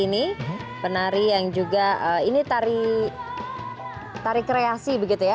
ini penari yang juga ini tari kreasi begitu ya